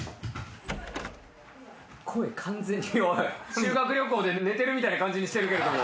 修学旅行で寝てるみたいな感じにしてるけれども。